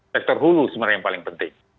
sektor hulu sebenarnya yang paling penting